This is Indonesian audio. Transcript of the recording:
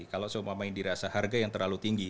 kalau semuanya dirasa harga yang terlalu tinggi